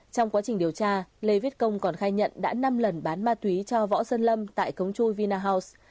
trong quá trình điều tra lê viết công còn khai nhận đã năm lần bán ma túy cho võ sơn lâm tại cống chui vinahust